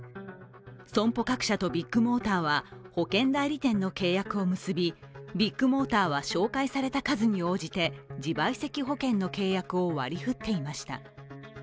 損保各社とビッグモーターは保険代理店の契約を結びビッグモーターは紹介された数に応じて自賠責保険の契約を割りふっていました。